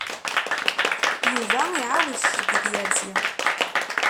Yuba iεawed ccedd i tyersi.